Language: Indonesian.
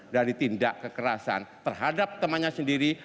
dari tindak kekerasan terhadap temannya sendiri